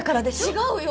違うよ。